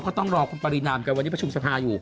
ก็ต้องรอคุณปรินาเหมือนกันวันนี้ประชุมสภาอยู่